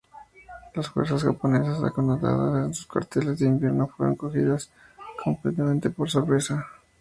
Las fuerzas japonesas, acantonadas en sus cuarteles de invierno, fueron cogidas completamente por sorpresa.